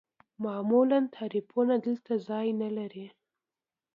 معمول تعریفونه دلته ځای نلري.